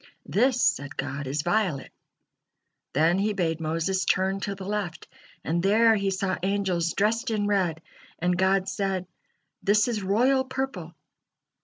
"This," said God, "is violet." Then He bade Moses turn to the left, and there he saw angels dressed in red, and God said: "This is royal purple."